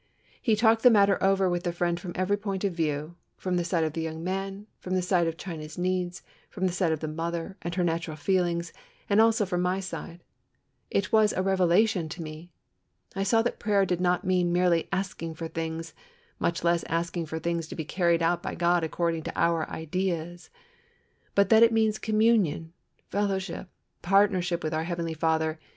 He talked the matter over with the Friend from every point of view from the side of the young man, from the side of China's needs, from the side of the mother, and her natural feelings, and also from my side. It was a revelation to me. I saw that prayer did not mean merely asking for things, much less asking for things to be carried out by God according to our ideas; but that it means communion, fellowship, partnership, with our Heavenly Father.